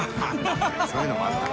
そういうのもあったな。